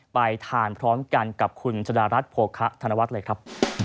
ไปทานพร้อมกันกับคุณชะดารัฐโภคะธนวัฒน์เลยครับ